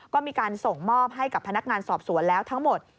ก็มีการส่งมอบให้กับพนักงานสอบสวนแล้วทั้งหมด